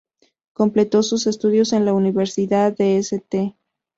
Completó sus estudios en la Universidad de St.